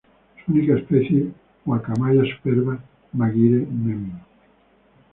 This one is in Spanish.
Su única especie: "Guacamaya superba" Maguire, Mem.